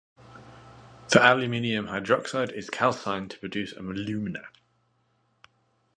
The aluminium hydroxide is calcined to produce alumina.